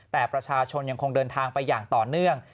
แต่ประชาชนยังคงเดินทางไปอย่างต่อเนื่อง